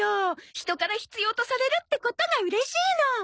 人から必要とされるってことがうれしいの！